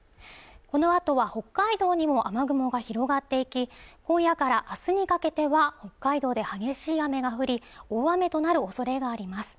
このあとは北海道にも雨雲が広がっていき今夜からあすにかけては北海道で激しい雨が降り大雨となるおそれがあります